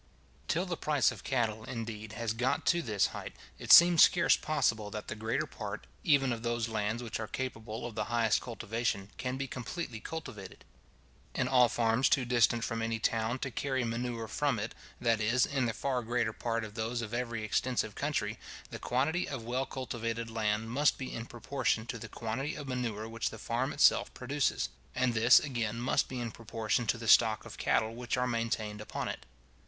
Till the price of cattle, indeed, has got to this height, it seems scarce possible that the greater part, even of those lands which are capable of the highest cultivation, can be completely cultivated. In all farms too distant from any town to carry manure from it, that is, in the far greater part of those of every extensive country, the quantity of well cultivated land must be in proportion to the quantity of manure which the farm itself produces; and this, again, must be in proportion to the stock of cattle which are maintained upon it.